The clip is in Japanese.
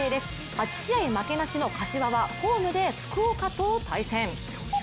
８試合負けなしの柏はホームで福岡と対戦。